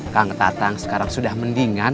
kang tatang sekarang sudah mendingan